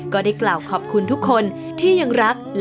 ก็ได้กล่าวขอบคุณทุกคนที่ยังรัก